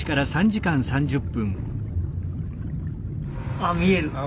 あ見える。